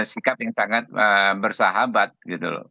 sikap yang sangat bersahabat gitu loh